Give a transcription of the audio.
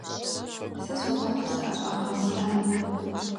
Сэ сохъуапсэ ӀэщӀагъэ сиӀэну.